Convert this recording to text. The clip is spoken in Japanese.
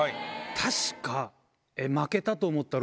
確か。